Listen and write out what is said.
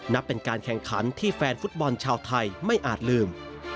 นับเป็นการแข่งขันที่แฟนฟุตบอลชาวไทยไม่อาจลืม